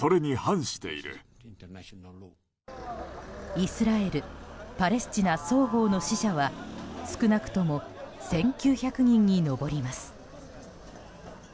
イスラエル、パレスチナ双方の死者は少なくとも１９００人に上ります。